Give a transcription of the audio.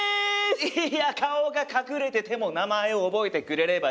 いや顔が隠れてても名前を覚えてくれればいい。